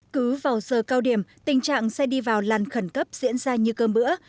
cứ vào giờ cao điểm tình trạng xe đi vào làn khẩn cấp diễn ra như cơm bữa